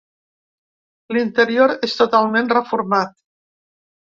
L'interior és totalment reformat.